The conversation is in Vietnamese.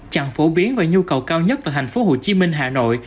chặn phổ biến và nhu cầu cao nhất tại thành phố hồ chí minh hà nội